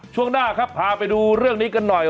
ช่วงหน้าครับพาไปดูเรื่องนี้กันหน่อย